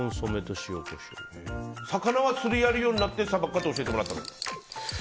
魚は釣りやるようになってさばき方、教えてもらったの？